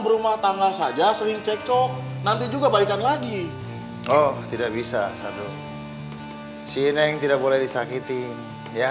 berumah tangga saja shekco nanti juga baikkan lagi oh tidak bisa sardu si neng tidak boleh disakiti ya